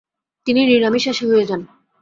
তিনি নিরামিষাশী হয়ে যান।